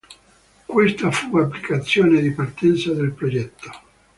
Questa fu l'applicazione di partenza del progetto.